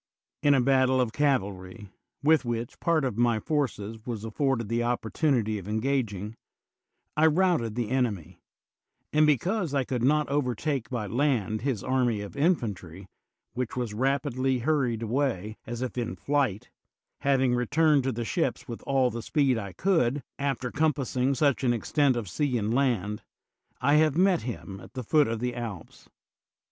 In a battle of cavalry^ with which part of my forces was af forded the opportunity of engaging, I routed the enemy ; and because I could not overtake by land his army of infantry, which was rapidly hur ried away, as if in flight, having returned to the ships with all the speed I could, after com THE WORLD'S FAMOUS ORATIONS passing such an extent of sea and land, I have met him at the foot of the Alps.